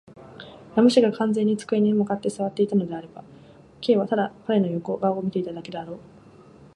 ラム氏が完全に机に向って坐っていたのであれば、Ｋ はただ彼の横顔を見ただけであろう。